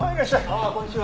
あっこんにちは。